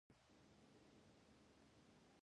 یو توکی چې څلور ساعته وخت نیسي شپږ ساعته شي.